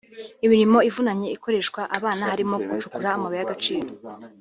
Imirimo ivunanye ikoreshwa abana harimo gucukura amabuye y’agaciro